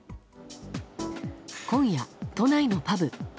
今夜、都内のパブ。